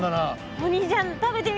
お兄ちゃん食べてみて。